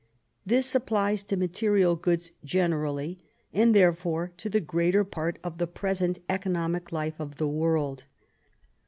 This applies to material goods generally, and therefore to the greater part of the present economic life of the world.